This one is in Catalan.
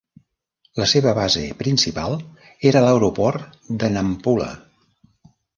La seva base principal era l'aeroport de Nampula.